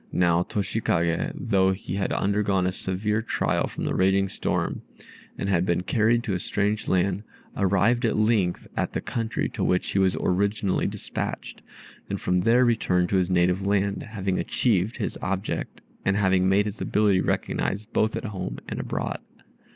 Now Toshikagè, though he had undergone a severe trial from the raging storm, and had been carried to a strange country, arrived at length at the country to which he was originally despatched, and from there returned to his native land, having achieved his object, and having made his ability recognized both at home and abroad.